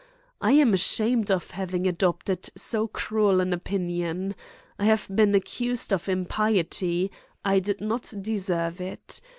I am ashame^i of having adopted so cruel an opinion. I have been accused of impiety ; I did not deserve it.